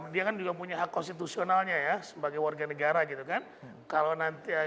dia kan juga punya hak konstitusionalnya ya sebagai warga negara gitu kan